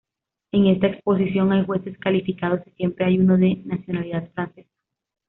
En esta exposición hay jueces calificados y siempre hay uno de nacionalidad francesa.